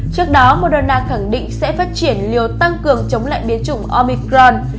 trước đó moderna khẳng định sẽ phát triển liều tăng cường chống lại biến chủng omicron